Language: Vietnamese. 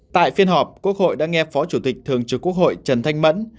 tại phiên họp quốc hội đã nghe phó chủ tịch thường trực quốc hội trần thanh mẫn